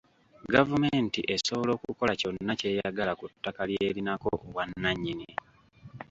Gavumenti esobola okukola kyonna ky'eyagala ku ttaka ly'erinako obwannannyini.